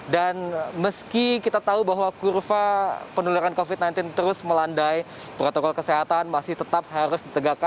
dan meski kita tahu bahwa kurva penularan covid sembilan belas terus melandai protokol kesehatan masih tetap harus ditegakkan